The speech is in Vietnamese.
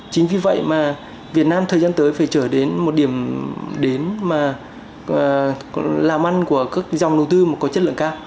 chính vì vậy mà việt nam thời gian tới phải trở đến một điểm đến mà làm ăn của các dòng đầu tư mà có chất lượng cao